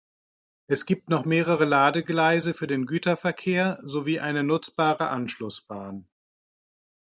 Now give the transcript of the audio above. Es gibt noch mehrere Ladegleise für den Güterverkehr sowie eine nutzbare Anschlussbahn.